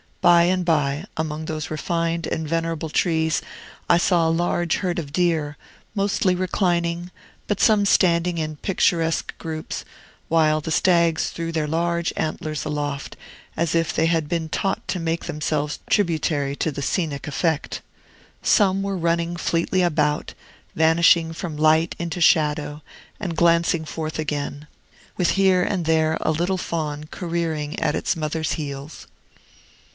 By and by, among those refined and venerable trees, I saw a large herd of deer, mostly reclining, but some standing in picturesque groups, while the stags threw their large antlers aloft, as if they had been taught to make themselves tributary to the scenic effect. Some were running fleetly about, vanishing from light into shadow and glancing forth again, with here and there a little fawn careering at its mother's heels.